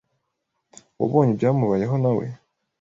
wabonye ibyamubayeho nawe